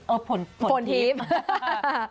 เออฝนทรีป